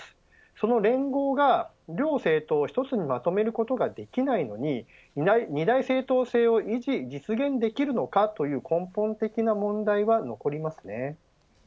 その連合が両政党を一つにまとめることができないのに二大政党制を維持実現できるのかという根本的な問題は残ります。